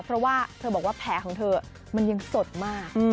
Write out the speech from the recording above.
เพราะว่าแผลของเธอมันยังสดมาก